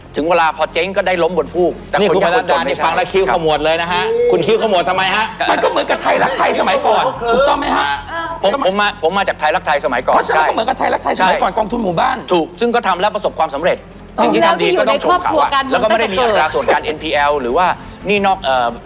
ถึงเวลาพอเจ๊งก็ได้ล้มบนฟูก